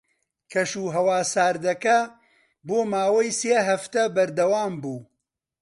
کەشوهەوا ساردەکە بۆ ماوەی سێ هەفتە بەردەوام بوو.